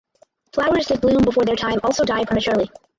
Flowers that bloom before their time also die prematurely.